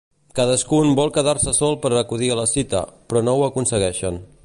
Cadascun vol quedar-se sol per acudir a la cita, però no ho aconsegueixen.